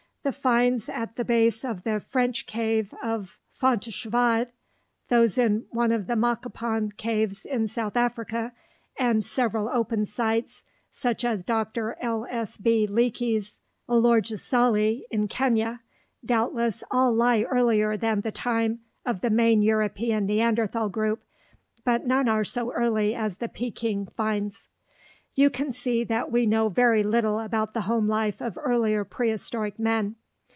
The finds at the base of the French cave of Fontéchevade, those in one of the Makapan caves in South Africa, and several open sites such as Dr. L. S. B. Leakey's Olorgesailie in Kenya doubtless all lie earlier than the time of the main European Neanderthal group, but none are so early as the Peking finds. You can see that we know very little about the home life of earlier prehistoric men.